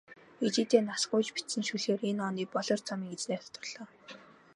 Ижийдээ нас гуйж бичсэн шүлгээр энэ оны "Болор цом"-ын эзнээр тодорлоо.